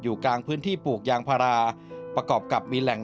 กลางพื้นที่ปลูกยางพาราประกอบกับมีแหล่ง